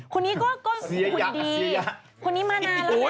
คนนี้ก็คุณดี